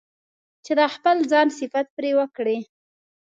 چې د خپل ځان صفت پرې وکړي.